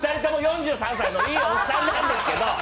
あの、２人とも４３歳のいいおじさんなんですけど。